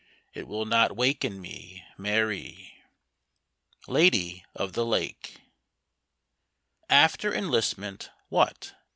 It will not waken me, Mary. Lady of the Lake. FTER eijlistment, what?